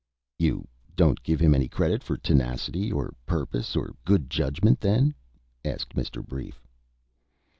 "You don't give him any credit for tenacity of purpose or good judgment, then?" asked Mr. Brief.